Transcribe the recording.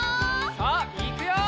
さあいくよ！